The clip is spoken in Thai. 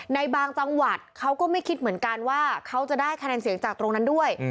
ในบางจังหวัดเขาก็ไม่คิดเหมือนกันว่าเขาจะได้คะแนนเสียงจากตรงนั้นด้วย